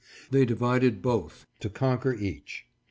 They divided both to conquer each.